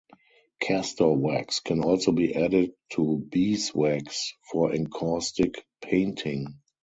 Castor wax can also be added to beeswax for encaustic painting.